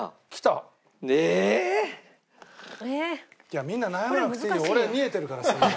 いやみんな悩まなくていいよ俺見えてるから。